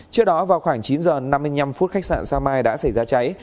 trước đó vào khoảng chín h năm mươi năm phút khách sạn sao mai đã xảy ra cháy